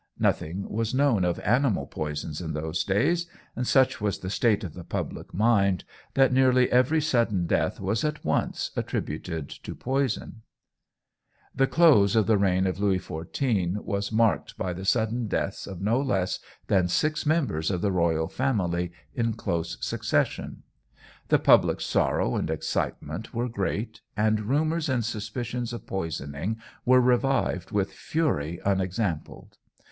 Nothing was known of animal poisons in those days, and such was the state of the public mind that nearly every sudden death was at once attributed to poison. The close of the reign of Louis XIV was marked by the sudden deaths of no less than six members of the royal family in close succession. The public sorrow and excitement were great, and rumours and suspicions of poisoning were revived with fury unexampled.